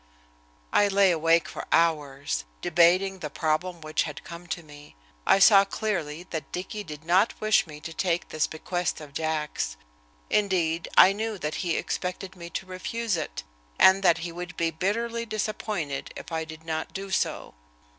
I lay awake for hours, debating the problem which had come to me. I saw clearly that Dicky did not wish me to take this bequest of Jack's. Indeed, I knew that he expected me to refuse it, and that he would be bitterly disappointed if I did not do so.